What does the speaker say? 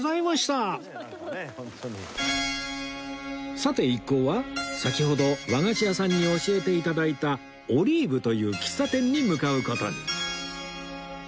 さて一行は先ほど和菓子屋さんに教えて頂いたオリーブという喫茶店に向かう事に